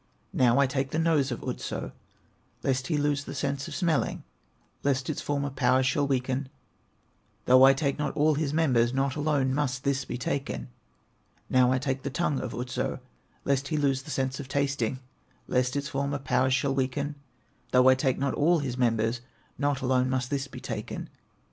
"Now I take the nose of Otso, Lest he lose the sense of smelling, Lest its former powers shall weaken; Though I take not all his members, Not alone must this be taken. "Now I take the tongue of Otso, Lest he lose the sense of tasting, Lest its former powers shall weaken; Though I take not all his members, Not alone must this be taken.